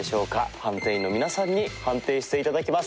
判定員の皆さんに判定して頂きます。